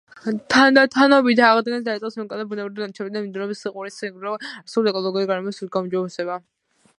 თანდათანობით აღდგენას იწყებს უნიკალური ბუნებრივი ლანდშაფტი და მიმდინარეობს ყურის ირგვლივ არსებული ეკოლოგიური გარემოების გაუმჯობესება.